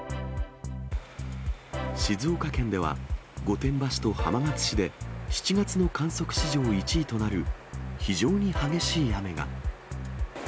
静岡県では、御殿場市と浜松市で、７月の観測史上１位となる非常に激しい雨が。